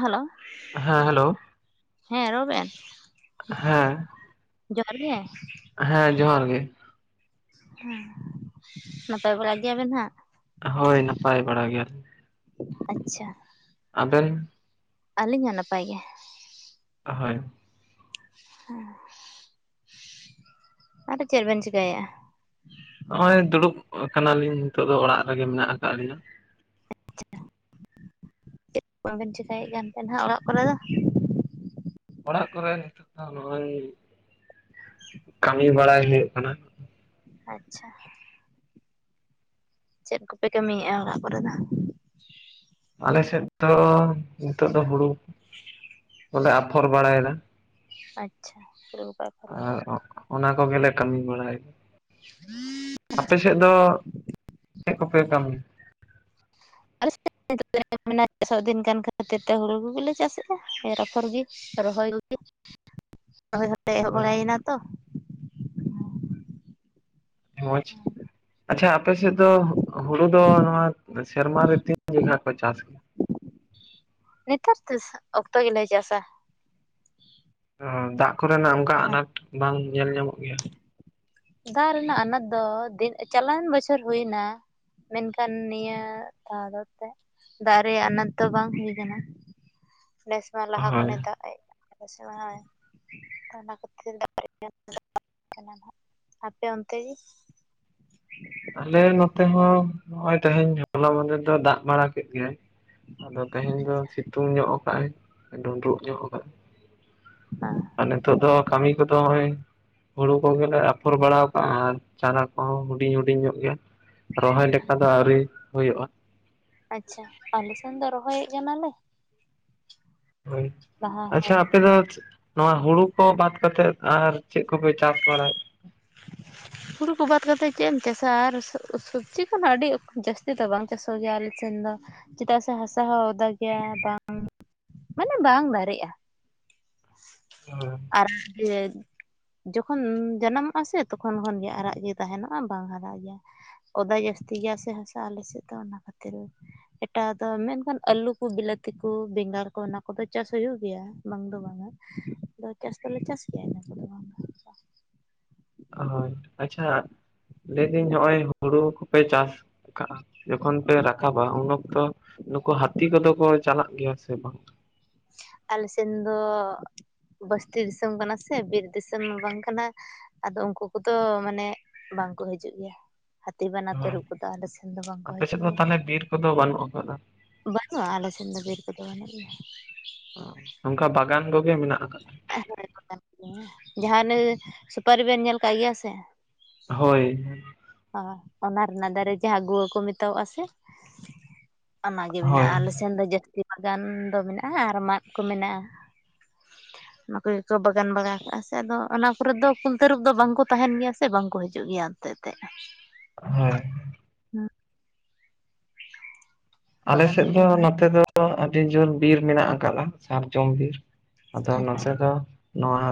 Hello ᱦᱮᱸ hello ᱦᱮᱸ ᱨᱚᱲ ᱵᱮᱱ ᱦᱮᱸ ᱡᱚᱦᱟᱨ ᱜᱮ ᱦᱮᱸ ᱡᱚᱦᱟᱨ ᱜᱮ ᱦᱮᱸ ᱱᱟᱯᱟᱭ ᱵᱟᱲᱟ ᱜᱮᱭᱟᱵᱮᱱ ᱦᱟᱜ ᱦᱳᱭ ᱱᱟᱯᱟᱭ ᱵᱟᱲᱟ ᱜᱮᱭᱟᱞᱮ ᱟᱪᱪᱷᱟ ᱟᱵᱮᱱ? ᱟᱹᱞᱤᱧ ᱦᱚᱸ ᱱᱟᱯᱟᱭ ᱜᱮ ᱦᱚᱭ ᱟᱨ ᱪᱮᱫ ᱵᱮᱱ ᱪᱮᱠᱟᱭᱮᱫᱼᱟ ᱾ ᱦᱚᱭ ᱫᱩᱲᱩᱵ ᱠᱟᱱᱟᱞᱤᱧ ᱱᱤᱛᱚᱜ ᱫᱚ ᱚᱲᱟᱜ ᱨᱮᱜᱮ ᱢᱮᱱᱟᱜ ᱟᱠᱟᱫ ᱞᱤᱧᱟᱹ ᱾ ᱟᱪᱪᱷᱟ ᱪᱮᱫ ᱵᱟᱵᱮᱱ ᱪᱮᱠᱟᱭᱮᱫ ᱠᱟᱱ ᱛᱟᱦᱮᱱᱟ ᱚᱲᱟᱜ ᱠᱚᱨᱮ ᱫᱚ ᱾ ᱚᱲᱟᱜ ᱠᱚᱨᱮ ᱱᱤᱛᱚᱜ ᱫᱚ ᱱᱚᱜᱼ ᱚᱭ ᱠᱟᱹᱢᱤ ᱵᱟᱲᱟᱭ ᱦᱩᱭᱩᱜ ᱠᱟᱱᱟ ᱾ ᱟᱪᱪᱷᱟ ᱪᱮᱫ ᱠᱚᱯᱮ ᱠᱟᱹᱢᱤᱭᱮᱫᱼᱟ ᱚᱲᱟᱜ ᱠᱚᱨᱮ ᱫᱚ ᱾ ᱟᱞᱮ ᱥᱮᱫ ᱫᱚ ᱱᱤᱛᱚᱜ ᱫᱚ ᱦᱩᱲᱩ ᱠᱞᱮ ᱟᱯᱷᱚᱨ ᱵᱟᱲᱟᱭᱮᱫᱟ ᱾ ᱟᱪᱪᱷᱟᱯ [unintelligible] ᱟᱨ ᱚᱱᱟ ᱠᱚᱜᱮᱞᱮ ᱠᱟᱹᱢᱤ ᱵᱟᱲᱟᱭᱟ ᱾ ᱟᱯᱮ ᱥᱮᱫ ᱫᱚ ᱪᱮᱫ ᱠᱚᱯᱮ ᱠᱟᱹᱢᱤ? [unintelligible] ᱟᱨ ᱢᱮ ᱪᱟᱥ ᱫᱤᱱ ᱠᱟᱱ ᱠᱷᱟᱹᱛᱤᱨ ᱛᱮ ᱦᱩᱲᱩ ᱠᱚᱜᱮᱞᱮ ᱪᱟᱥᱮᱫᱼᱟ ᱮᱨᱟᱯᱷᱚᱨ ᱜᱮ᱾ ᱨᱚᱦᱚᱭ ᱞᱟᱹᱜᱤᱫ [unintelligible] [inaudible] ᱨᱚᱦᱚᱭ ᱠᱟᱛᱮᱜ ᱮᱦᱚᱵ ᱦᱳᱭ ᱵᱟᱲᱟᱭᱮᱱᱟ ᱛᱚ ᱢᱚᱸᱡᱽ ᱟᱪᱪᱷᱟ ᱟᱯᱮ ᱥᱮᱫ ᱫᱚ ᱦᱩᱲᱩ ᱫᱚ ᱱᱚᱣᱟ ᱥᱮᱨᱢᱟ ᱨᱮ ᱛᱤᱱ ᱡᱚᱠᱷᱟᱡ ᱠᱚ ᱪᱟᱥ ᱜᱮ ᱱᱮᱛᱟᱨ ᱫᱚ ᱚᱠᱛᱚ ᱜᱮᱞᱮ ᱪᱟᱥᱟ᱾ ᱫᱟᱜ ᱠᱚᱨᱮᱱᱟᱜ ᱚᱱᱠᱟ ᱦᱮᱸ ᱟᱱᱟᱴ ᱵᱟᱝ ᱧᱮᱞ ᱧᱟᱢᱚᱜ ᱜᱮᱭᱟ? ᱫᱟᱜ ᱨᱮᱱᱟᱜ ᱟᱱᱟᱴ ᱫᱚ ᱫᱤᱱ ᱪᱟᱞᱣᱮᱱ ᱵᱚᱪᱷᱚᱨ ᱦᱩᱭ ᱮᱱᱟ᱾ ᱢᱮᱱᱠᱷᱟᱱ ᱱᱤᱭᱟᱹ ᱫᱷᱟ ᱫᱚ ᱛᱮ ᱫᱟᱜ ᱨᱮᱭᱟᱜ ᱟᱱᱟᱴ ᱫᱚ ᱵᱟᱝ ᱦᱩᱭ ᱟᱠᱟᱱᱟ ᱾ ᱱᱮᱥᱢᱟ ᱞᱟᱦᱟ ᱠᱷᱚᱱᱮ ᱦᱳᱭ ᱫᱟᱜ ᱮ [unintelligible] ᱟ ᱥᱮ ᱵᱟᱝ ᱦᱳᱭ ᱚᱱᱟ ᱠᱷᱟᱹᱛᱤᱨ ᱟᱯᱮ ᱚᱱᱛᱮ ᱜᱮ? ᱟᱞᱮ ᱱᱚᱛᱮ ᱦᱚᱸ ᱱᱚᱜᱼᱚᱭ ᱛᱮᱦᱮᱧ ᱦᱚᱞᱟ ᱢᱟᱫᱷᱮᱨ ᱫᱚᱭ ᱫᱟᱜ ᱵᱟᱲᱟ ᱠᱮᱫ ᱜᱮᱭᱟᱭ᱾ ᱟᱫᱚ ᱛᱮᱦᱮᱧ ᱫᱚ ᱥᱤᱛᱩᱝ ᱧᱚᱜ ᱠᱟᱜᱼ ᱟᱭ ᱰᱩᱸᱰᱨᱩᱜ ᱧᱚᱜ ᱠᱟᱜ ᱟᱭ᱾ ᱦᱮᱸ ᱟᱨ ᱱᱤᱛᱚᱜ ᱫᱚ ᱠᱟᱹᱢᱤ ᱠᱚᱫᱚ ᱱᱚᱜᱼᱚᱭ ᱦᱩᱲᱩ ᱠᱚᱜᱮᱞᱮ ᱟᱯᱷᱚᱨ ᱵᱟᱲᱟ ᱠᱟᱜᱼᱟ ᱟᱨ ᱪᱟᱨᱟ ᱠᱚᱦᱚᱸ ᱦᱩᱰᱤᱧ ᱦᱩᱰᱤᱧ ᱧᱚᱜ ᱜᱮᱭᱟ᱾ ᱨᱚᱦᱚᱭ ᱞᱮᱠᱟ ᱫᱚ ᱟᱹᱣᱨᱤ ᱦᱩᱭᱩᱜᱼᱟ᱾ ᱟᱪᱪᱷᱟ ᱟᱞᱮ ᱥᱮᱱ ᱫᱚ ᱨᱚᱦᱚᱭᱮᱫ ᱠᱟᱱᱟᱞᱮ᱾ ᱦᱳᱭ ᱞᱟᱦᱟ ᱟᱪᱪᱷᱟ ᱦᱮᱸ ᱟᱯᱮ ᱫᱚ ᱱᱚᱣᱟ ᱦᱩᱲᱩ ᱠᱚ ᱵᱟᱫ ᱠᱟᱛᱮᱫ ᱟᱨ ᱪᱮᱫ ᱠᱚᱯᱮ ᱪᱟᱥ ᱵᱟᱲᱟᱭᱮᱫ? [inaudible] ᱦᱩᱲᱩ ᱠᱚ ᱵᱟᱫ ᱠᱟᱛᱮᱫ ᱪᱮᱫ ᱮᱢ ᱪᱟᱥᱟ ᱟᱨ ᱥᱚᱵᱽᱡᱤ ᱠᱚᱱᱟᱜ ᱟᱹᱰᱤ ᱡᱟᱹᱥᱛᱤ ᱫᱚ ᱵᱟᱝ ᱪᱟᱥᱚᱜ ᱜᱮᱭᱟ ᱟᱞᱮ ᱥᱮᱱ ᱫᱚ᱾ ᱪᱮᱫᱟᱜ ᱥᱮ ᱦᱟᱥᱟ ᱦᱚᱸ ᱚᱫᱟ ᱜᱮᱭᱟ᱾ ᱵᱟᱝ ᱢᱟᱱᱮ ᱵᱟᱝ ᱫᱟᱨᱮᱜᱼᱟ᱾ [unintelligible] ᱟᱨ ᱡᱚᱠᱷᱚᱱ ᱡᱟᱱᱟᱢ ᱯᱟᱥᱮ ᱛᱚᱠᱷᱚᱱ ᱠᱷᱚᱱᱜᱮ ᱨᱟᱜ ᱜᱮ ᱛᱟᱦᱮᱱᱚᱜᱼᱟ ᱵᱟᱝ ᱦᱟᱨᱟᱜ ᱜᱮᱭᱟ᱾ ᱚᱫᱟ ᱡᱟᱹᱥᱛᱤ ᱜᱮᱭᱟ ᱥᱮ ᱦᱟᱥᱟ ᱟᱞᱮ ᱥᱮᱫ ᱫᱚ ᱚᱱᱟ ᱠᱷᱟᱹᱛᱤᱨ᱾ ᱮᱴᱟᱜ ᱫᱚ ᱢᱮᱱᱠᱷᱟᱱ ᱟᱹᱞᱩ ᱠᱚ ᱵᱤᱞᱟᱹᱛᱤ ᱠᱚ ᱵᱮᱸᱜᱟᱲ ᱠᱚ ᱚᱱᱟ ᱠᱚᱫᱚ ᱪᱟᱥ ᱦᱩᱭᱩᱜ ᱜᱮᱭᱟ ᱵᱟᱝ ᱫᱚ ᱵᱟᱝᱟ ᱾ ᱟᱫᱚ ᱪᱟᱥ ᱫᱚᱞᱮ ᱪᱟᱥ ᱜᱮᱭᱟ ᱤᱱᱟᱹ ᱠᱚᱫᱚ ᱵᱟᱝ ᱦᱳᱭ ᱟᱪᱪᱷᱟ ᱞᱟᱹᱭᱫᱟᱹᱧ ᱱᱚᱜ ᱚᱭ ᱦᱩᱲᱩ ᱠᱚᱯᱮ ᱪᱟᱥ ᱡᱚᱠᱷᱚᱱ ᱯᱮ ᱨᱟᱠᱟᱵᱟ ᱩᱱ ᱚᱠᱛᱚ ᱱᱩᱠᱩ ᱦᱟᱹᱛᱤ ᱠᱚᱫᱚ ᱠᱚ ᱪᱟᱞᱟᱜ ᱜᱮᱭᱟ ᱥᱮ ᱵᱟᱝ ᱟᱞᱮ ᱥᱮᱱ ᱫᱚ ᱵᱟᱥᱛᱤ ᱫᱤᱥᱚᱢ ᱠᱟᱱᱟ ᱥᱮ, ᱵᱤᱨ ᱫᱤᱥᱚᱢ ᱵᱟᱝ ᱠᱟᱱᱟ᱾ ᱟᱫᱚ ᱩᱱᱠᱩ ᱠᱚᱫᱚ ᱢᱟᱱᱮ ᱵᱟᱝᱠᱚ ᱦᱤᱡᱩᱜ ᱜᱮᱭᱟ᱾ ᱦᱟᱹᱛᱤ ᱵᱟᱱᱟ ᱦᱳᱭ ᱛᱟᱹᱨᱩᱵ ᱠᱚᱫᱚ ᱟᱞᱮ ᱥᱮᱱ ᱫᱚ ᱵᱟᱝᱠᱚ ᱟᱯᱮ ᱥᱮᱫ ᱦᱤᱡᱩᱜ ᱫᱚ ᱜᱮᱭᱟ᱾ ᱛᱟᱦᱚᱞᱮ ᱵᱤᱨ ᱠᱚᱫᱚ ᱵᱟᱹᱱᱩᱜ ᱟᱠᱟᱫᱟ ᱵᱟᱹᱱᱩᱜᱼᱟ ᱟᱞᱮ ᱥᱮᱱ ᱫᱚ ᱵᱤᱨ ᱠᱚᱫᱚ ᱵᱟᱹᱱᱩᱜ ᱜᱮᱭᱟ᱾ ᱱᱚᱝᱠᱟ ᱵᱟᱜᱟᱱ ᱠᱚᱜᱮ ᱢᱮᱱᱟᱜ ᱟᱠᱟᱫᱟ᱾ [unintelligible] ᱦᱮ ᱡᱟᱦᱟᱸᱱᱟᱜ ᱥᱩᱯᱟᱨᱤᱵᱮᱱ ᱧᱮᱞ ᱠᱟᱜ ᱜᱮᱭᱟ ᱥᱮ ᱦᱳᱭ ᱚᱱᱟ ᱨᱮᱱᱟᱜ ᱫᱟᱨᱮ ᱡᱟᱦᱟᱸ ᱜᱩᱣᱟᱹ ᱠᱚ ᱢᱮᱛᱟᱣᱟᱜ ᱟ ᱥᱮ ᱚᱱᱟᱜᱮ ᱦᱳᱭ ᱢᱮᱱᱟᱜᱼᱟ ᱟᱞᱮ ᱥᱮᱱ ᱫᱚ ᱡᱟᱹᱥᱛᱤ ᱵᱟᱜᱟᱱ ᱫᱚ ᱢᱮᱱᱟᱜᱼᱟ ᱟᱨ ᱢᱟᱫ ᱠᱚ ᱢᱮᱱᱟᱜᱼᱟ᱾ [inaudible] ᱚᱱᱟ ᱠᱚᱜᱮᱠᱚ ᱵᱟᱜᱟᱱ ᱵᱟᱜᱟᱣ ᱠᱟᱜᱼᱟ ᱥᱮ ᱟᱫᱚ ᱚᱱᱟ ᱠᱚᱨᱮ ᱫᱚ ᱠᱩᱞ ᱛᱟᱹᱨᱩᱵ ᱫᱚ ᱵᱟᱝᱠᱚ ᱛᱟᱦᱮᱱ ᱜᱮᱭᱟ ᱥᱮ ᱵᱟᱝᱠᱚ ᱦᱤᱡᱩᱜ ᱜᱮᱭᱟ ᱮᱱᱛᱮᱫ᱾ [unintelligible] ᱦᱳᱭ [inaudible] ᱟᱞᱮ ᱵᱟᱜᱟᱱ ᱥᱮᱫ ᱠᱚᱜᱮ ᱫᱚ ᱢᱮᱱᱟᱜᱼᱟ ᱱᱚᱛᱮ ᱫᱚ ᱟᱹᱰᱤ ᱡᱳᱨ ᱵᱤᱨ ᱢᱮᱱᱟᱜ ᱟᱠᱟᱫᱟ ᱥᱟᱨᱡᱚᱢ ᱵᱤᱨ ᱟᱫᱚ ᱟᱪᱪᱷᱟ ᱱᱚᱛᱮ ᱫᱚᱼᱼ ᱱᱚᱣᱟ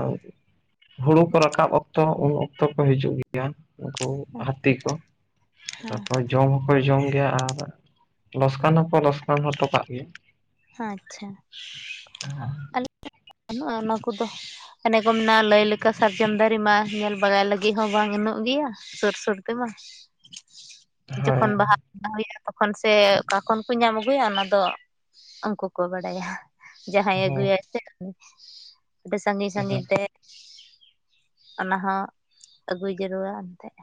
ᱦᱩᱲᱩ ᱠᱚ ᱨᱟᱠᱟᱵ ᱚᱠᱛᱚ ᱩᱱ ᱚᱠᱛᱚ ᱠᱚ ᱦᱤᱡᱩᱜ ᱜᱮᱭᱟ᱾ ᱩᱱᱠᱩ ᱦᱟᱹᱛᱤ ᱠᱚ ᱦᱮᱸ ᱛᱟᱯᱚᱨ ᱡᱚᱢ ᱦᱚᱸ ᱠᱚ ᱡᱚᱢ ᱜᱮᱭᱟ ᱟᱨᱼᱼ ᱞᱚᱥᱠᱟᱱ ᱦᱚᱸᱠᱚ ᱞᱚᱥᱠᱟᱱ ᱦᱚᱴᱚ ᱠᱟᱜ ᱜᱮᱭᱟ᱾ ᱟᱪᱪᱷᱟ᱾ ᱚ ᱵᱟᱹᱱᱩᱜᱼᱟ ᱚᱱᱟ ᱠᱚᱫᱚ, ᱮᱚᱱᱮ ᱠᱚ ᱢᱮᱱᱟᱜᱼᱟ ᱞᱟᱹᱭ ᱞᱮᱠᱟ ᱥᱟᱨᱡᱚᱢ ᱫᱟᱨᱮ ᱢᱟ ᱧᱮᱞ ᱵᱟᱲᱟᱭ ᱞᱟᱹᱜᱤᱫ ᱦᱚᱸ ᱵᱟᱝ ᱩᱚᱜ ᱜᱮᱭᱟ? ᱥᱩᱨ ᱥᱩᱨ ᱛᱮᱢᱟ [inaudible] ᱡᱚᱠᱷᱚᱱ ᱵᱟᱦᱟ ᱵᱚᱸᱭᱟ ᱛᱚᱠᱷᱚᱱ ᱥᱮ ᱚᱠᱟ ᱠᱷᱚᱱ ᱠᱚ ᱧᱟᱢ ᱟᱹᱜᱩᱭᱟ ᱚᱱᱟ ᱫᱚᱼᱼ ᱩᱱᱠᱩ ᱠᱚ ᱵᱟᱲᱟᱭᱟ ᱡᱟᱦᱟᱸᱭ ᱟᱹᱜᱩᱟᱭ ᱦᱳᱭ ᱥᱮ ᱟᱹᱰᱤ ᱥᱟᱺᱜᱤᱧ ᱦᱳᱭ ᱥᱟᱺᱜᱤᱧ ᱛᱮ ᱚᱱᱟ ᱦᱚᱸ ᱟᱹᱜᱩ ᱡᱟᱹᱨᱩᱲᱟ ᱮᱱᱛᱮᱜ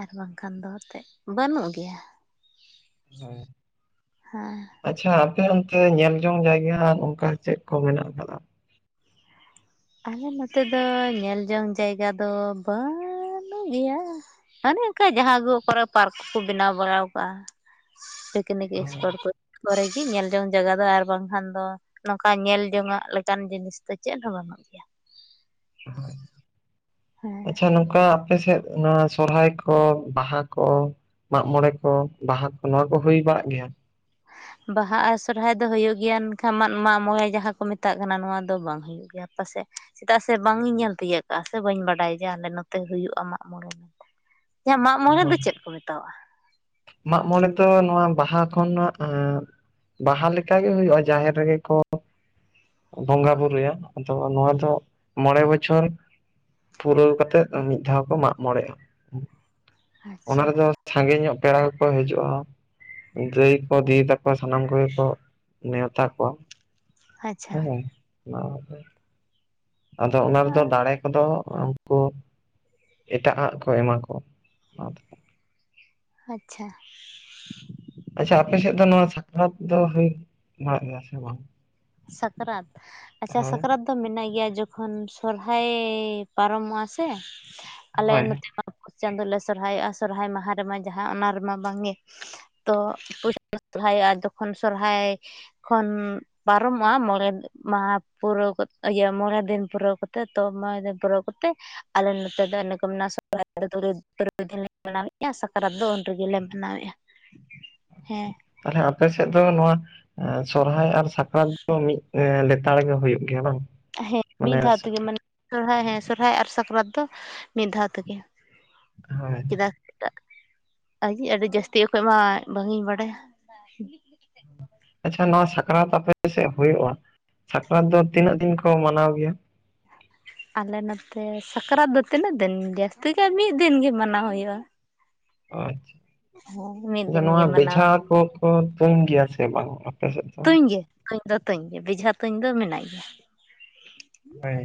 ᱟᱨ ᱵᱟᱝᱠᱷᱟᱱ ᱫᱚ ᱮᱱᱛᱮᱫ ᱵᱟᱹᱱᱩᱜ ᱜᱮᱭᱟ ᱦᱳᱭ ᱦᱮᱸ ᱟᱪᱪᱷᱟ ᱟᱯᱮ ᱚᱱᱛᱮ ᱧᱮᱞ ᱡᱚᱝ ᱡᱟᱭᱜᱟ ᱱᱚᱝᱠᱟ ᱪᱮᱫ ᱠᱚ ᱢᱮᱱᱟᱜ ᱟᱠᱟᱫᱟ? ᱟᱞᱮ ᱱᱚᱛᱮ ᱫᱚ ᱧᱮᱞ ᱡᱚᱝ ᱡᱟᱭᱜᱟ ᱫᱚ ᱵᱟᱝᱼᱼ ᱜᱮᱭᱟ ᱢᱟᱱᱮ ᱚᱱᱠᱟ ᱡᱟᱦᱟᱸ ᱜᱮ ᱚᱠᱟᱨᱮ ᱯᱟᱨᱠ ᱠᱚᱠᱚ ᱵᱮᱱᱟᱣ ᱵᱟᱲᱟ ᱟᱠᱟᱟᱜᱼᱼ [inaudible] ᱯᱤᱠᱱᱤᱠ ᱮᱯᱚᱴ ᱠᱚᱨᱮ ᱜᱮ ᱧᱮᱞ ᱡᱚᱝ ᱡᱟᱭᱜᱟ ᱫᱚ ᱟᱨ ᱵᱟᱝ ᱠᱷᱟᱱ ᱫᱚ, ᱱᱚᱝᱠᱟ ᱧᱮᱞ ᱡᱚᱝᱟᱜ ᱞᱮᱠᱟᱱ ᱡᱤᱱᱤᱥ ᱫᱚ ᱪᱮᱫ ᱦᱚᱸ ᱵᱟᱹᱱᱩᱜᱼᱟ ᱦᱮᱸ ᱟᱪᱪᱷᱟ ᱱᱚᱝᱠᱟ ᱟᱯᱮ ᱥᱮᱫ ᱱᱚᱣᱟ ᱥᱚᱨᱦᱟᱭ ᱠᱚ ᱵᱟᱦᱟ ᱠᱚ? ᱢᱟᱜ ᱢᱚᱬᱮ ᱠᱚ ᱵᱟᱦᱟ ᱠᱚ ᱱᱚᱣᱟ ᱠᱚ ᱦᱩᱭ ᱵᱟᱲᱟᱜ ᱜᱮᱭᱟ? ᱵᱟᱦᱟ ᱟᱨ ᱥᱚᱨᱦᱟᱭ ᱫᱚ ᱦᱩᱭᱩᱜ ᱜᱮᱭᱟ ᱢᱮᱱᱠᱷᱟᱱ ᱢᱟᱜ ᱢᱟᱜ ᱢᱚᱬᱮ ᱡᱟᱦᱟᱸ ᱠᱚ ᱢᱮᱛᱟᱜ ᱠᱟᱱᱟ ᱱᱚᱣᱟ ᱫᱚ ᱵᱟᱝ ᱦᱩᱭᱩᱜ ᱠᱟᱱᱟ᱾ ᱦᱩᱭᱩᱜ ᱜᱮᱭᱟᱯᱟᱥᱮᱡ ᱪᱮᱫᱟᱜ ᱥᱮ ᱵᱟᱝ ᱤᱧ ᱧᱮᱞ ᱛᱤᱭᱳᱟᱹᱜ ᱠᱟᱜᱼᱟ ᱥᱮ ᱵᱟᱹᱧ ᱵᱟᱰᱟᱭ ᱡᱟ ᱟᱞᱮ ᱱᱚᱛᱮ ᱦᱩᱭᱩᱜᱼᱟ ᱟᱢᱟᱜ ᱢᱚᱬᱮᱼᱼ [inaudible] ᱤᱧᱟᱹᱜ ᱢᱟᱜ ᱢᱚᱬᱮ ᱫᱚ ᱪᱮᱫ ᱠᱚ ᱢᱮᱛᱟᱣᱟᱜᱼᱟ? ᱢᱟᱜᱢᱚᱲᱮ ᱫᱚ ᱱᱚᱣᱟ ᱵᱟᱦᱟ ᱠᱷᱚᱱᱟᱜᱼᱼ ᱵᱟᱦᱟ ᱞᱮᱠᱟ ᱜᱮ ᱦᱩᱭᱩᱜᱼᱟ ᱡᱟᱦᱮᱨ ᱨᱮᱜᱮ ᱠᱚᱼᱼ ᱵᱚᱸᱜᱟ ᱵᱩᱨᱩᱭᱟ ᱟᱫᱚ ᱱᱚᱣᱟ ᱫᱚ ᱢᱚᱬᱮ ᱵᱚᱪᱷᱚᱨᱼᱼ ᱯᱩᱨᱟᱹᱣ ᱠᱟᱛᱮᱫ ᱢᱤᱫ ᱫᱷᱟᱣ ᱠᱚ ᱢᱟᱜ ᱢᱚᱬᱮᱜᱼᱟ᱾ ᱚᱱᱟ ᱟᱪᱪᱷᱟ ᱨᱮᱫᱚ ᱥᱟᱜᱮᱧ ᱧᱚᱜ ᱯᱮᱲᱟ ᱠᱚᱠᱚ ᱦᱤᱡᱩᱜᱼᱟ᱾ ᱫᱟᱹᱭ ᱠᱚ ᱫᱤᱫᱤ ᱛᱟᱠᱚ ᱥᱟᱱᱟᱢ ᱠᱚᱜᱮ ᱠᱚ ᱱᱮᱣᱛᱟ ᱠᱚᱣᱟ, ᱟᱪᱪᱷᱟ ᱦᱮᱸ ᱟᱫᱚ ᱚᱱᱟ ᱨᱮᱫᱚ ᱫᱟᱲᱮ ᱠᱚᱫᱚᱼᱼ ᱠᱚ ᱮᱴᱟᱜᱼᱟᱜ ᱠᱚ ᱮᱢᱟ ᱠᱚ ᱚᱱᱟ ᱫᱚᱼᱼ ᱟᱪᱪᱷᱟ, ᱟᱪᱪᱷᱟ ᱟᱯᱮ ᱥᱮᱫ ᱫᱚ ᱱᱚᱣᱟ ᱥᱟᱠᱨᱟᱛ ᱫᱚ ᱦᱩᱭ ᱵᱟᱲᱟᱜ ᱜᱮᱭᱟ ᱥᱮ ᱵᱟᱝ? ᱥᱟᱠᱨᱟᱛ ᱟᱪᱪᱷᱟ ᱦᱮᱸ ᱥᱟᱠᱨᱟᱛᱼᱼ ᱢᱮᱱᱟᱜ ᱜᱮᱭᱟ ᱡᱚᱠᱷᱚᱱ ᱥᱚᱨᱦᱟᱭ ᱯᱟᱨᱚᱢᱚᱜᱼᱟ ᱥᱮ ᱟᱞᱮ ᱦᱳᱭ ᱱᱚᱛᱮᱼᱼ ᱯᱩᱥ ᱪᱟᱸᱫᱳ ᱞᱮ ᱥᱚᱨᱦᱟᱭᱚᱜᱼᱟ ᱥᱚᱨᱦᱟᱭ ᱢᱟᱦᱟ ᱨᱮᱢᱟ ᱡᱟᱦᱟᱸ ᱚᱱᱟ ᱨᱮᱢᱟ ᱵᱟᱝ ᱜᱮ, ᱛᱚ ᱯᱩᱭᱥᱟ ᱥᱚᱨᱦᱟᱭᱚᱜᱼᱟ ᱡᱚᱠᱷᱚᱱ ᱥᱚᱨᱦᱟᱭ ᱠᱷᱚᱱᱼᱼ ᱯᱟᱨᱚᱢᱚᱜᱼᱟ ᱢᱚᱬᱮ ᱢᱟᱦᱟ ᱯᱩᱨᱟᱹᱣ ᱤᱭᱟᱹ ᱢᱚᱬᱮ ᱫᱤᱱ ᱯᱩᱨᱟᱹᱣ ᱠᱟᱛᱮ ᱛᱚ ᱢᱚᱬ ᱫᱤᱱ ᱯᱩᱨᱟᱹᱣ ᱠᱟᱛᱮ ᱟᱞᱮ ᱱᱚᱛᱮ ᱫᱚ ᱤᱱᱟᱹ ᱠᱚ ᱢᱮ ᱥᱚᱦᱟᱭ ᱛᱩᱨᱩᱭ ᱫᱤᱱ ᱞᱮ ᱢᱟᱱᱟᱣᱮᱫᱼᱟ ᱥᱟᱠᱨᱟᱛ ᱩᱱ ᱨᱮᱜᱮ ᱢᱟᱱᱟᱣᱮᱫᱼᱟ᱾ [inaudible] ᱦᱮᱸ, ᱛᱟᱦᱞᱮ ᱟᱯᱮ ᱥᱮᱫ ᱫᱚ ᱱᱚᱣᱟ ᱥᱚᱨᱦᱟᱭ ᱟᱨ ᱥᱟᱠᱨᱟᱛ ᱫᱚ ᱢᱤᱫᱼᱼ ᱞᱮᱛᱟᱲ ᱜᱮ ᱦᱩᱭᱩᱜ ᱜᱮᱭᱟ ᱵᱟᱝ? ᱦᱮᱸ ᱢᱟᱱᱮ ᱢᱤᱫ ᱫᱷᱟᱣ ᱛᱮᱜᱮ ᱢᱟᱱᱮ ᱥᱚᱨᱦᱟᱭ ᱦᱮᱸ ᱥᱚᱨᱦᱟᱭ ᱟᱨ ᱥᱟᱠᱨᱟᱛ ᱫᱚ ᱢᱤᱫ ᱫᱷᱟᱣ ᱛᱮᱜᱮ᱾ ᱦᱳᱭ ᱠᱮᱫᱟ ᱮᱟᱜ ᱟᱡ ᱟᱹᱰᱤ ᱡᱟᱹᱥᱛᱤ ᱚᱠᱚᱚᱡ ᱢᱟ ᱵᱟᱝᱤᱧ ᱵᱟᱰᱟᱭᱟ᱾ [inaudible] ᱟᱪᱪᱷᱟ ᱱᱚᱣᱟ ᱥᱟᱠᱨᱟᱛ ᱟᱯᱮ ᱥᱮᱫ ᱦᱩᱭᱩᱜᱼᱟ ᱥᱟᱠᱨᱟᱛ ᱫᱚ ᱛᱤᱱᱟᱹᱜ ᱫᱤᱱ ᱠᱚ ᱢᱟᱱᱟᱣ ᱜᱮᱭᱟ? ᱟᱞᱮ ᱱᱚᱛᱮ ᱥᱟᱠᱨᱟᱛ ᱫᱚ ᱛᱤᱱᱟᱹᱜ ᱫᱤᱱ ᱡᱟᱹᱥᱛᱤ ᱠ ᱢᱤᱫ ᱫᱤᱱᱜᱤ ᱢᱟᱱᱟᱣ ᱦᱩᱭᱩᱜᱼᱟ ᱟᱪᱪᱷᱟ ᱢᱤᱫ ᱟᱪᱪᱷᱟ ᱫᱤᱱ ᱱᱚᱣᱟ ᱜᱮ ᱢᱟᱱᱟᱣ ᱵᱮᱡᱷᱟ ᱠᱚᱠᱚ ᱛᱩᱢ ᱜᱮᱭᱟ ᱥᱮ ᱵᱟᱝᱼᱟ ᱛᱩᱧ ᱜᱮ ᱛᱩᱧ ᱫᱚ ᱛᱩᱧ ᱜᱮ ᱵᱮᱡᱷᱟ ᱛᱩᱧ ᱫᱚ ᱢᱮᱱᱟᱜ ᱜᱮᱭᱟ ᱦᱮᱭ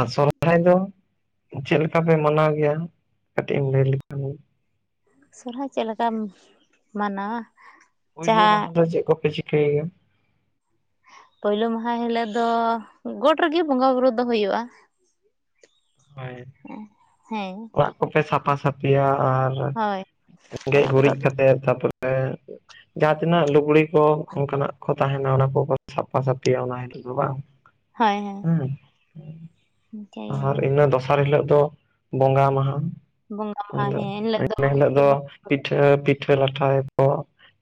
ᱟᱨ ᱥᱚᱨᱦᱟᱭ ᱫᱚ ᱪᱮᱫ ᱞᱮᱠᱟ ᱯᱮ ᱢᱟᱱᱟᱣ ᱜᱮᱭᱟ ᱠᱟᱹᱴᱤᱡ ᱮᱢ ᱞᱟᱹᱭ ᱞᱮᱠᱷᱟᱱ ᱜᱮ ᱥᱚᱨᱦᱟᱭ ᱪᱮᱫ ᱞᱮᱠᱟᱢ ᱢᱟᱱᱟᱣᱟ ᱯᱩᱭᱞᱳ ᱢᱟᱦᱟ ᱡᱟᱦᱟᱸ ᱫᱚ ᱪᱮᱫ ᱠᱚᱯᱮ ᱪᱤᱠᱟᱹᱭᱮᱭᱟ ᱯᱳᱭᱞᱳ ᱢᱟᱦᱟ ᱦᱤᱞᱳᱜ ᱫᱚ ᱜᱚᱴ ᱨᱮᱜᱮ ᱵᱚᱸᱜᱟ ᱵᱩᱨᱩ ᱫᱚ ᱦᱩᱭᱩᱜᱼᱟ ᱦᱳᱭ ᱦᱮᱸ ᱚᱲᱟᱜ ᱠᱚᱯᱮ ᱥᱟᱯᱷᱟ ᱥᱟᱟᱹᱯᱷᱤᱭᱟ ᱟᱨ ᱦᱳᱭ ᱜᱮᱡ ᱚᱲᱟᱜ ᱠᱚᱫᱚ ᱜᱩᱨᱤᱡ ᱠᱟᱛᱮ ᱛᱟᱯᱚᱨᱮ ᱡᱟᱦᱟᱸ ᱛᱤᱱᱟᱹᱜ ᱞᱩᱜᱽᱲᱤ ᱠᱚ ᱚᱱᱠᱟᱱᱟᱜ ᱠᱚ ᱛᱟᱦᱮᱱᱟ ᱚᱱᱟ ᱠᱚ ᱥᱟᱯᱷᱟ ᱥᱟᱟᱹᱯᱤᱭᱟ ᱚᱱᱟ ᱦᱤᱞᱳᱜ ᱫᱚ ᱵᱟᱝ ᱦᱳᱭ ᱦᱳᱭ ᱦᱩᱸᱮᱸ ᱚᱱᱠᱮ ᱟᱨ ᱤᱱᱟᱹ ᱫᱚᱥᱟᱨ ᱦᱤᱞᱳᱜ ᱫᱚ ᱵᱚᱸᱜᱟ ᱢᱟᱦᱟ ᱵᱚᱸᱜᱟ ᱢᱟᱦᱟ ᱟᱫᱚ ᱦᱮᱸ ᱮᱱᱦᱤᱞᱳᱜ ᱤᱱᱟᱹ ᱦᱤᱞᱳᱜ ᱫᱚ ᱯᱤᱴᱷᱟᱹ ᱯᱤᱴᱷᱟᱹ ᱞᱟᱴᱷᱟᱭᱟᱠᱚ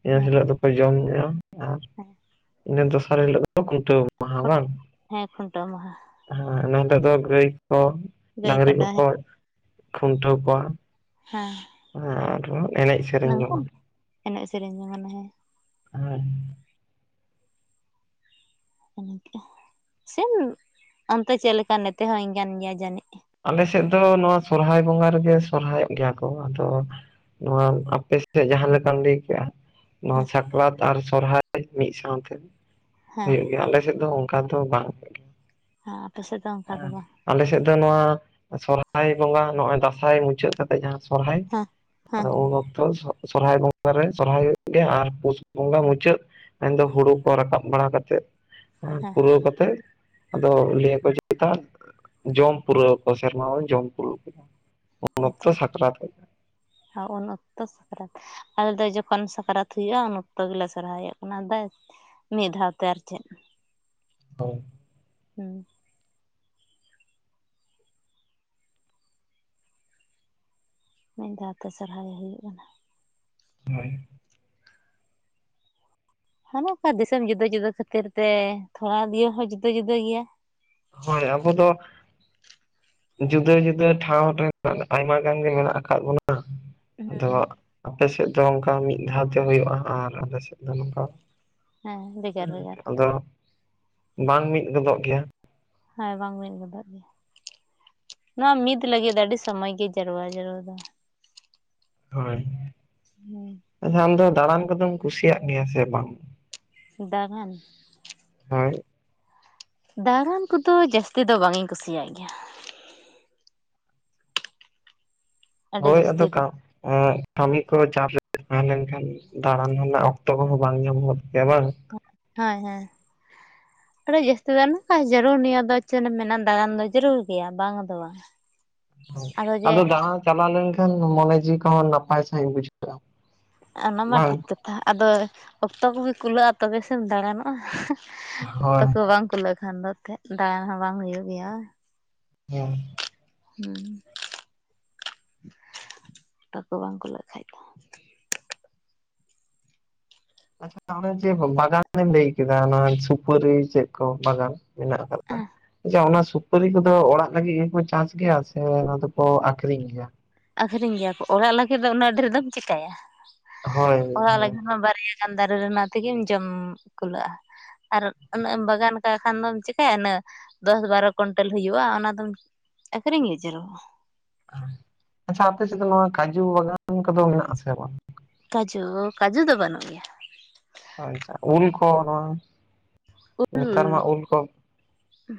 ᱤᱱᱟᱹ ᱦᱮᱸ ᱦᱤᱞᱟᱹᱜᱜ ᱫᱚᱠᱚ ᱡᱚᱢ ᱧᱩᱭᱟ ᱟᱨ ᱦᱮᱸ ᱤᱱᱟᱹ ᱫᱚᱥᱟᱨ ᱦᱤᱞᱳᱜ ᱫᱚ ᱠᱷᱩᱱᱴᱟᱹᱣ ᱢᱟᱦᱟ ᱵᱟᱝ ᱦᱮᱸ ᱠᱷᱩᱱᱴᱟᱹᱣ ᱢᱟᱦᱟ ᱦᱮᱸ ᱱᱤᱞᱳᱜ ᱫᱚ ᱜᱟᱹᱭ ᱜᱟᱹᱭ ᱰᱟᱝᱨᱤ ᱠᱟᱰᱟ ᱠᱚᱠᱚ ᱠᱷᱩᱱᱴᱟᱹᱣ ᱠᱚᱣᱟ ᱦᱮᱸ ᱦᱮ ᱟᱨ ᱮᱱᱮᱡ ᱥᱮᱨᱮᱧ ᱱᱚᱝᱠ ᱡᱚᱝᱟ ᱜᱮ ᱮᱱᱮᱡ ᱥᱮᱨᱮᱧ ᱡ ᱢᱚᱱᱮ ᱦᱮᱸ ᱦᱮᱸ ᱥᱮᱢ ᱚᱱᱛᱮ ᱪᱮᱫ ᱞᱮᱠᱟ ᱱᱛᱮᱮ ᱦᱚᱧ ᱠᱟᱱ ᱜᱮᱭᱟ ᱡᱟᱹᱱᱤᱡ ᱟᱞᱮ ᱥᱮᱫ ᱫᱚ ᱱᱚᱣᱟ ᱥᱚᱨᱦᱟᱭ ᱵᱚᱸᱜᱟ ᱨᱮᱜᱮ ᱥᱚᱨᱦᱟᱭᱚᱜ ᱜᱮᱭᱟ ᱠᱚ ᱟᱫᱚ ᱱᱚᱣᱟ ᱟᱯᱮ ᱥᱮᱫ ᱡᱟᱦᱟᱸ ᱞᱮᱠᱟᱢ ᱞᱟᱹᱭ ᱠᱮᱜᱼᱟ ᱱᱚᱣᱟ ᱥᱟᱠᱨᱟᱛ ᱟᱨ ᱥᱚᱨᱦᱟᱭ ᱢᱤᱫ ᱥᱟᱶᱛᱮ ᱦᱮᱸ ᱦᱩᱭᱩᱜ ᱜᱮᱭᱟ ᱟᱞᱮ ᱥᱮᱫ ᱫᱚ ᱚᱚᱱᱠᱟ ᱫᱚ ᱵᱟᱝ ᱦᱮᱸ ᱟᱯᱮᱮᱥᱮᱫ ᱫᱚ ᱚᱱᱠᱟ ᱫᱚ ᱵᱟᱝ ᱟᱞᱮᱥᱮᱫ ᱫᱚ ᱱᱚᱣᱟ ᱥᱚᱨᱚᱦᱦᱟᱭ ᱵᱚᱸᱜᱟ ᱱᱚᱜᱚᱭ ᱫᱟᱸᱟᱭ ᱢᱩᱪᱟᱹᱫ ᱠᱟᱛᱮ ᱡᱟᱦᱟᱸ ᱥᱚᱨᱦᱟᱭ ᱦᱮᱸ ᱦᱮᱸ ᱟᱫᱚ ᱩᱱ ᱚᱠᱛᱚ ᱥᱚᱨᱦᱟᱭ ᱵᱚᱸᱜᱟ ᱨᱮ ᱥᱚᱨᱦᱟᱭ ᱦᱩᱭᱩᱜ ᱜᱮᱭᱟ ᱟᱨ ᱯᱩᱥ ᱵᱚᱸᱜᱟ ᱢᱩᱪᱟᱹᱫ ᱢᱮᱱᱫᱚ ᱦᱩᱲᱩ ᱠᱚ ᱨᱟᱠᱟᱵ ᱵᱟᱲᱟ ᱠᱟᱛᱮᱫ ᱦᱮᱸ ᱯᱩᱨᱟᱹᱣ ᱠᱟᱛᱮᱮᱫ ᱟᱫᱚ ᱞᱟᱹᱭᱟᱠᱚ ᱪᱮᱛ ᱡᱚᱢ ᱯᱩᱨᱟᱹᱣ ᱟ ᱥᱮᱨᱢᱟ ᱵᱚᱱ ᱡᱚᱢ ᱠᱩᱞ ᱠᱮᱫᱟ ᱩᱱ ᱚᱠᱛᱚ ᱥᱟᱠᱨᱟᱛᱚᱜ ᱟᱨ ᱩᱱ ᱚᱠᱛᱚ ᱥᱟᱠᱨᱟᱛ ᱟᱞᱮ ᱫᱚ ᱡᱚᱠᱷᱚᱱ ᱥᱟᱠᱨᱟᱛ ᱦᱩᱭᱩᱜᱼᱟ ᱩᱱ ᱚᱠᱛᱚ ᱜᱮᱞᱮ ᱥᱚᱨᱦᱟᱭᱚᱜ ᱠᱟᱱᱟ ᱫ ᱢᱤᱫ ᱫᱷᱟᱣᱛᱮ ᱟᱨ ᱪᱮᱫ ᱛ ᱦᱩᱸ ᱢᱤᱫ ᱫᱷᱟᱣᱛᱮ ᱥᱦᱟᱭᱮ ᱦᱩᱭᱩᱜ ᱠᱟᱱᱟ ᱦᱳᱭ ᱦᱟᱱᱮ ᱚᱱᱠᱟ ᱫᱤᱥᱚᱢ ᱡᱩᱫᱟᱹ ᱡᱩᱫᱟᱹ ᱠᱷᱟᱹᱛᱤᱨ ᱛᱮ ᱛᱷᱚᱲᱟ ᱫᱤᱭᱮ ᱦᱚᱸ ᱡᱩᱫᱟᱹ ᱡᱩᱫᱟᱹ ᱜᱮᱭᱟ ᱦᱳᱭ ᱟᱵᱚ ᱫᱚ ᱡᱩᱫᱟᱹ ᱡᱩᱫᱟᱹ ᱴᱷᱟᱶ ᱨᱮ ᱟᱭᱢᱟ ᱜᱟᱱ ᱜᱮ ᱢᱮᱱᱟᱜ ᱟᱠᱟᱫ ᱵᱚᱱᱟ ᱦᱩᱸ ᱟᱫᱚ ᱟᱯᱮ ᱥᱮᱫ ᱫᱚ ᱚᱱᱠᱟ ᱢᱤᱫ ᱫᱷᱟᱣ ᱛᱮ ᱦᱩᱭᱩᱜᱼᱟ ᱟᱨ ᱟᱞᱮ ᱥᱮᱫ ᱫᱚ ᱱᱚᱝᱠᱟ ᱵᱷᱮᱜᱟᱨ ᱦᱮᱸ ᱵᱷᱮᱜᱟᱨ ᱟᱫᱚ ᱵᱟᱝ ᱢᱤᱫ ᱜᱚᱫᱚᱜ ᱜᱮᱭᱟ ᱦᱮᱸ ᱵᱟᱝ ᱢᱤᱫ ᱜᱚᱫᱚᱜ ᱜᱮᱭᱟ ᱱᱚᱣᱟ ᱢᱤᱫ ᱞᱟᱹᱜᱤᱫ ᱟᱹᱰᱤ ᱥᱚᱢᱚᱭ ᱜᱮ ᱡᱟᱨᱨᱟ ᱡᱟᱹᱨᱩᱲ ᱫᱚ ᱦᱳᱭ ᱦᱩᱸ ᱟᱪᱪᱷᱟ ᱟᱢ ᱫᱚ ᱫᱟᱬᱟᱱ ᱠᱚᱫᱚᱢ ᱠᱩᱥᱤᱭᱟᱜ ᱜᱮᱭᱟ ᱥᱮ ᱵᱟᱝ ᱫᱟᱬᱟᱱ ᱦᱳᱭ ᱫᱟᱬᱟᱱ ᱠᱚᱫᱚ ᱡᱟᱹᱥᱛᱤ ᱫᱚ ᱵᱟᱝ ᱤᱧ ᱠᱩᱥᱤᱭᱟᱜ ᱜᱮᱭᱟ ᱾ ᱟᱹᱰᱤ ᱦᱳᱭ ᱡᱟᱹᱥᱛᱤ ᱟᱫᱚ ᱫᱚ ᱠᱟᱵ ᱩᱸᱜ ᱠᱟᱹᱢᱤ ᱠᱚ ᱪᱟᱥ ᱨᱮ ᱛᱟᱦᱮᱸ ᱞᱮᱱᱠᱷᱟᱱ ᱫᱟᱬᱟᱱ ᱨᱮᱱᱟᱜ ᱚᱠᱛᱚ ᱠᱚᱦᱚᱸ ᱵᱟᱝ ᱧᱟᱢ ᱜᱚᱫᱚᱜ ᱜᱮᱭᱟ ᱵᱟᱝ? ᱦᱳᱭ ᱦᱮᱸ ᱟᱹᱰᱤ ᱡᱟᱹᱥᱛᱤ ᱫᱚ ᱱᱚᱝᱠᱟ ᱡᱟᱹᱨᱩᱲ ᱱᱤᱭᱟᱹ ᱫᱚ ᱪᱮᱫ ᱢᱮᱱᱟᱜᱼᱟ ᱫᱟᱬᱟᱱ ᱫᱚ ᱡᱟᱹᱨᱩᱲ ᱜᱮᱭᱟ ᱵᱟᱝ ᱫᱚ ᱵᱟᱝ ᱾ ᱟᱫᱚ ᱫᱟᱬᱟᱱ ᱪᱟᱞᱟᱣ ᱞᱮᱱᱠᱷᱟᱱ ᱢᱚᱱᱮ ᱡᱤᱣᱤ ᱠᱚᱦ ᱱᱟᱯᱟᱭ ᱥᱟᱹᱦᱤᱡ ᱵᱩᱡᱷᱟᱹᱜ ᱾ ᱚᱱᱟ ᱢᱟ ᱴᱷᱤᱠ ᱠᱟᱛᱷᱟ ᱟᱫᱚ ᱚᱠᱛᱚ ᱠᱚᱜᱮ ᱠᱩᱞᱟᱹᱜᱼᱟ ᱛᱚᱵ ᱥᱮᱢ ᱫᱟᱬᱟᱱᱚᱜᱼᱟ ᱾ ᱚᱠᱛᱚ ᱦᱳᱭ ᱠᱚ ᱵᱟᱝ ᱠᱩᱞᱟᱹᱜ ᱠᱷᱟᱱ ᱫᱚ ᱮᱱᱛᱮ ᱫᱟᱬᱟᱱ ᱦᱚᱸ ᱵᱟᱝ ᱦᱩᱭᱩᱜ ᱜᱮᱭᱟ ᱾ ᱦᱮᱸ ᱦᱩᱸ ᱚᱠᱛᱚ ᱠᱚ ᱵᱟᱝ ᱠᱩᱞᱟᱹᱜ ᱠᱷᱟᱡ ᱫᱚ ᱾ ᱟᱪᱪᱷᱟ ᱚᱱᱮ ᱡᱮ ᱵᱟᱜᱟᱱᱮᱢ ᱞᱟᱹᱭ ᱠᱮᱫᱟ ᱚᱱᱟ ᱥᱩᱯᱟᱹᱨᱤ ᱪᱮᱫ ᱠᱚ ᱵᱟᱜᱟᱱ ᱢᱮᱱᱟᱜ ᱟᱠᱟᱫᱟᱫᱟ ᱟᱪᱪᱷᱟ ᱚᱱᱟ ᱥᱩᱯᱟᱹᱨᱤ ᱠᱚᱫᱚ ᱚᱲᱟᱜ ᱞᱟᱹᱜᱤᱫ ᱜᱮᱠᱚ ᱪᱟᱥ ᱜᱮᱭᱟ ᱥᱮ ᱚᱱᱟ ᱫᱚᱠᱚ ᱟᱠᱷᱨᱤᱧ ᱜᱮᱭᱟ? ᱟᱠᱷᱨᱤᱧ ᱜᱮᱭᱟ ᱠᱚ ᱚᱲᱟᱜ ᱞᱟᱹᱜᱤᱫ ᱫᱚ ᱩᱱᱟᱹᱜ ᱰᱷᱮᱨ ᱫᱚᱢ ᱪᱤᱠᱟᱭᱟ ᱦᱳᱭ ᱚᱲᱟᱜ ᱦᱳᱭ ᱞᱟᱹᱜᱤᱫ ᱢᱟ ᱵᱟᱨᱭᱟ ᱠᱟᱱ ᱫᱟᱨᱮ ᱨᱮᱱᱟᱜ ᱛᱮᱜᱮᱢ ᱡᱚᱢ ᱠᱩᱞᱟᱹᱜᱼᱟ ᱾ ᱟᱨ ᱩᱱᱟᱹᱜ ᱮᱢ ᱵᱟᱜᱟᱱ ᱠᱟᱜ ᱠᱷᱟᱱ ᱫᱚᱢ ᱪᱮᱤᱠᱟᱹᱭᱟ ᱩᱱᱟᱹᱜ? ᱫᱚᱥ ᱵᱟᱨᱚ ᱠᱳᱱᱴᱟᱹᱞ ᱦᱩᱭᱩᱜᱼᱟ ᱚᱱᱟᱫᱚᱢ ᱟᱹᱠᱷᱨᱤᱧ ᱜᱮ ᱡᱟᱹᱨᱚᱜᱼᱟ ᱾ ᱟᱪᱪᱷᱟ ᱟᱯᱮ ᱥᱮᱫ ᱫᱚ ᱱᱚᱣᱟ ᱠᱟᱡᱩ ᱵᱟᱜᱟᱱ ᱠᱚᱫᱚ ᱢᱮᱱᱟᱜ ᱟᱥᱮ ᱵᱟᱝ? ᱠᱟᱡᱩ ᱠᱟᱡᱩ ᱫᱚ ᱵᱟᱹᱱᱩᱜ ᱜᱮᱭᱟ ᱾ ᱟᱪᱪᱷᱟ ᱩᱞ ᱠᱚ ᱱᱚᱣᱟ ᱱᱮᱛᱟᱨ ᱢᱟ ᱩᱞ ᱠᱚ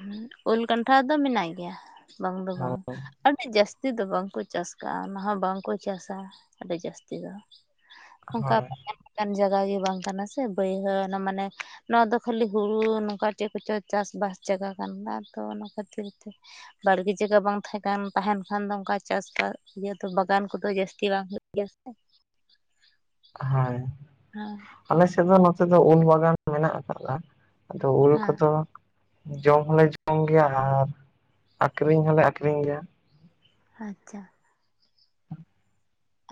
ᱦᱩᱸ ᱩᱞ ᱠᱟᱱᱴᱷᱟᱲ ᱫᱚ ᱢᱮᱱᱟᱜ ᱜᱮᱭᱟ ᱵᱟᱝ ᱫᱚ ᱵᱟᱝ ᱦᱳᱭ ᱾ ᱟᱹᱰᱤ ᱡᱟᱹᱥᱛᱤ ᱫᱚ ᱵᱟᱝᱠᱚ ᱪᱟᱥ ᱠᱟᱜᱼᱟ ᱚᱱᱟ ᱦᱚᱸ ᱵᱟᱝᱠᱚ ᱪᱟᱥᱟ ᱟᱹᱰᱤ ᱡᱟᱹᱥᱛᱤ ᱫᱚ ᱾ ᱚᱱᱠᱟ ᱦᱳᱭ ᱞᱮᱠᱟᱱ ᱡᱟᱭᱜᱟ ᱜᱮ ᱵᱟᱝ ᱠᱟᱱᱟ ᱥᱮ ᱵᱟᱹᱭᱦᱟᱹᱲ ᱢᱟᱱᱮ ᱱᱚᱣᱟ ᱫᱚ ᱠᱷᱟᱹᱞᱤ ᱦᱩᱲᱩ ᱱᱚᱝᱠᱟ ᱪᱮᱫ ᱠᱚᱪᱚ ᱪᱟᱥᱵᱟᱥ ᱡᱟᱭᱜᱟ ᱠᱟᱱ ᱫᱚ ᱛᱚ ᱚᱱᱟ ᱠᱷᱟᱹᱛᱤᱨ ᱛᱮ ᱾ ᱵᱟᱲᱜᱮ ᱡᱟᱭᱜᱟ ᱵᱟᱝ ᱛᱟᱦᱮᱸᱠᱟᱱ ᱛᱟᱦᱮᱱ ᱠᱷᱟᱱ ᱫᱚ ᱚᱱᱠᱟ ᱪᱟᱥᱵᱟᱥ ᱤᱭᱟᱹ ᱫᱚ ᱵᱟᱜᱟᱱ ᱠᱚᱫᱚ ᱡᱟᱹᱥᱛᱤ ᱵᱟᱝ ᱦᱩᱭᱩᱜ ᱜᱮᱭᱟ ᱥᱮ ᱾ ᱦᱳᱭ ᱦᱮᱸ ᱟᱞᱮ ᱥᱮᱫ ᱫᱚ ᱱᱚᱛᱮ ᱫᱚ ᱩᱞ ᱵᱟᱜᱟᱱ ᱢᱮᱱᱟᱜ ᱟᱠᱟᱫᱟ ᱟᱫᱚ ᱩᱞ ᱦᱮᱸ ᱠᱚᱫᱚ ᱡᱚᱢ ᱦᱚᱞᱮ ᱡᱚᱢ ᱜᱮᱭᱟ ᱟᱨ ᱟᱠᱷᱨᱤᱧ ᱦᱚᱞᱮ ᱟᱠᱷᱨᱤᱧ ᱜᱮᱭᱟ ᱾ ᱟᱪᱪᱷᱟ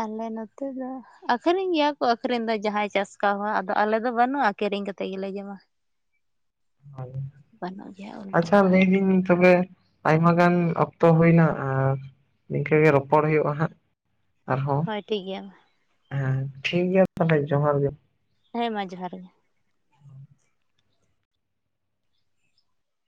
ᱟᱞᱮ ᱱᱚᱛᱮ ᱫᱚ ᱟᱠᱷᱨᱤᱧ ᱜᱮᱭᱟ ᱠᱚ ᱟᱠᱷᱨᱤᱧ ᱫᱚ ᱡᱟᱦᱟᱸᱟᱭ ᱪᱟᱥ ᱠᱟᱣᱟ ᱟᱫᱚ ᱟᱞᱮ ᱫᱚ ᱵᱟᱹᱱᱩᱜᱼᱟ ᱠᱤᱨᱤᱧ ᱠᱟᱛᱮᱫ ᱜᱮᱞᱮ ᱡᱚᱢᱟ ᱾ ᱜᱮᱭᱟ ᱚᱞ ᱟᱪᱪᱷᱟ ᱠᱚᱫᱚ ᱦᱟᱸᱜ ᱞᱟᱹᱭᱫᱟᱹᱧ ᱛᱚᱵᱮ ᱟᱭᱢᱟ ᱜᱟᱱ ᱚᱠᱛᱚ ᱦᱩᱭᱱᱟ ᱟᱨ ᱱᱤᱝᱠᱟᱹ ᱜᱮ ᱨᱚᱯᱚᱲ ᱦᱩᱭᱩᱜᱼᱟ ᱦᱟᱸᱜ ᱾ ᱟᱨᱦᱚᱸ ᱦᱳᱭ ᱴᱷᱤᱠ ᱜᱮᱭᱟ ᱢᱟ ᱦᱮᱸ ᱴᱷᱤᱠ ᱜᱮᱭᱟ ᱛᱟᱦᱚᱞᱮ ᱡᱚᱦᱟᱨ ᱜᱮ ᱾ ᱦᱮᱸ ᱢᱟ ᱡᱚᱦᱟᱨ ᱜᱮ ᱾